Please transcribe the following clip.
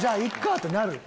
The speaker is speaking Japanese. ってなる。